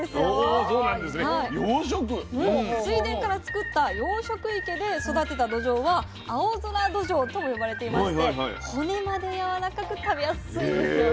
水田から作った養殖池で育てたどじょうは青空どじょうとも呼ばれていまして骨までやわらかく食べやすいんですよ。